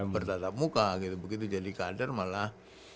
bertatap muka gitu begitu jadi kader malah